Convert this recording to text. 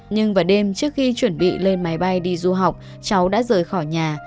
nhưng vào đêm trước khi chuẩn bị lên máy bay đi du học cháu đã rời khỏi nhà